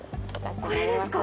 これですか。